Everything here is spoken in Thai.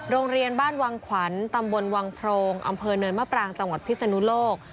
โรงเรียนบ้านวังขวัญตำบลวังโพรงอำเภอเนินมะปรางจังหวัดพิศนุโลก